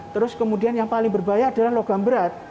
terus kemudian yang paling berbahaya adalah logam berat